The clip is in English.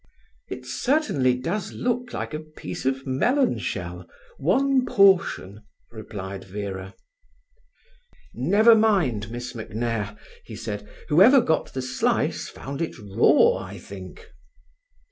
"It certainly does look like a piece of melon shell—one portion," replied Vera. "Never mind, Miss MacNair," he said, "Whoever got the slice found it raw, I think."